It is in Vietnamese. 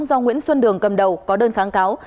do nguyễn xuân đường cầm đầu có đơn kháng cáo